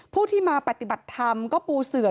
ผู้ที่มาปฏิบัติธรรมก็ปูเสือ